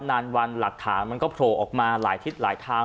นานวันหลักฐานมันก็โผล่ออกมาหลายทิศหลายทาง